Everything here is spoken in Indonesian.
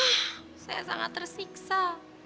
hah saya sangat tersiksa